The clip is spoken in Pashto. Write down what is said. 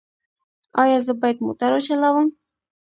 ایا زه باید موټر وچلوم؟